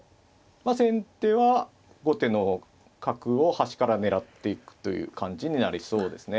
先手は後手の角を端から狙っていくという感じになりそうですね。